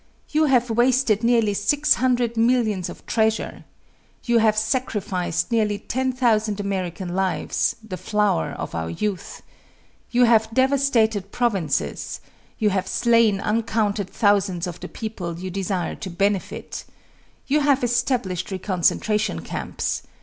You have wasted nearly six hundred millions of treasure. You have sacrificed nearly ten thousand American lives the flower of our youth. You have devastated provinces. You have slain uncounted thousands of the people you desire to benefit. You have established reconcentration camps.